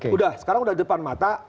sudah sekarang sudah depan mata